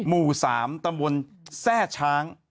หมู่๓ตำบลแทร่ช้าง